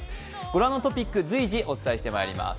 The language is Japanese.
ご覧のトピック、随時お伝えしてまいります。